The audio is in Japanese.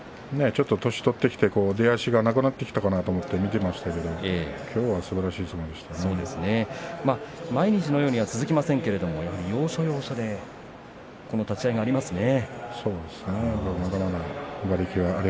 ちょっと年を取ってきて出足がなくなってきたなと思って見ていましたけど毎日のようには続きませんが、要所要所でこの立ち合いがありますね。